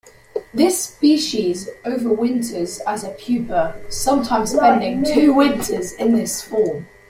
This species overwinters as a pupa, sometimes spending two winters in this form.